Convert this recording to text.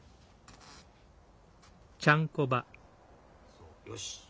・そうよし。